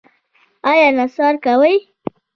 ایا نسوار کوئ؟